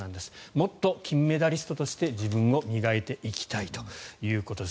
もっと金メダリストとして自分を磨いていきたいということです。